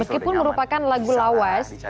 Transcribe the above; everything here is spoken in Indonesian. meskipun merupakan lagu lawas